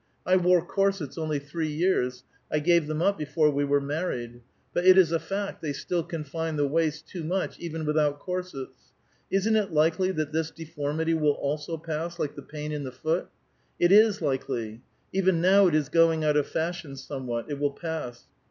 I wore corsets only three years ; I gave them up before we were married. But it is a fact they still confine the waist too much even without corsets. Isn't it likely that this deformity will also pass like the pain in the foot? It is likely : even now it is going out of fashion somewhat ; it will pass.